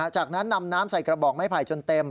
จากนั้นนำน้ำใส่กระบอกไม้ไผ่จนเต็ม